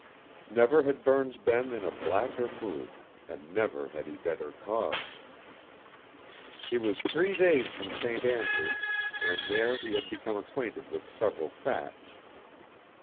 Never had Burns been in a blacker mood, and never had he better cause. He was three days from St. Andrew's, and there he had become acquainted with several facts.